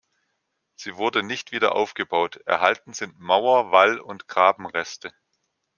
Sie wurde nicht wieder aufgebaut; erhalten sind Mauer-, Wall- und Grabenreste.